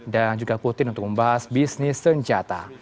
dan juga putin untuk membahas bisnis senjata